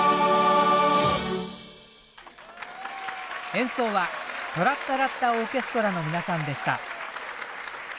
演奏はトラッタラッタオーケストラの皆さんでした。